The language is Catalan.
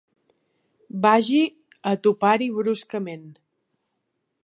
Vagi a topar-hi bruscament.